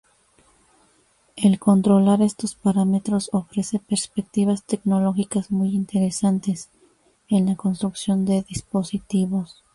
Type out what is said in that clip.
El controlar estos parámetros ofrece perspectivas tecnológicas muy interesantes en la construcción de dispositivos.